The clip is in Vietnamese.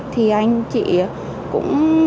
thì anh chị cũng